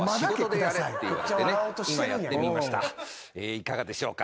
いかがでしょうか？